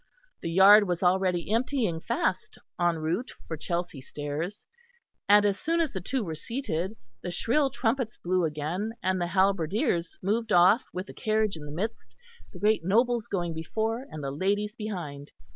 The yard was already emptying fast, en route for Chelsea Stairs; and as soon as the two were seated, the shrill trumpets blew again, and the halberdiers moved off with the carriage in the midst, the great nobles going before, and the ladies behind.